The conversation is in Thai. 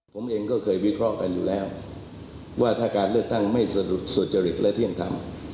ผมเองก็เคยวิเคราะห์กันอยู่แล้วว่าถ้าการเลือกตั้งไม่สุจริตและเที่ยงธรรม